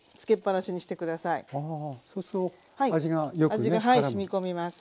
味がはいしみ込みます。